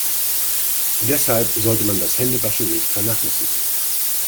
Deshalb sollte man das Händewaschen nicht vernachlässigen.